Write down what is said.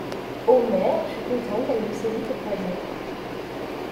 Omer fut content qu'elle le saisît au poignet.